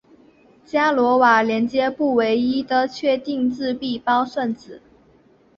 伽罗瓦连接不唯一的确定自闭包算子。